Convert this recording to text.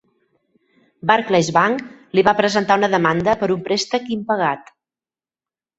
Barclays Bank li va presentar una demanda per un préstec impagat.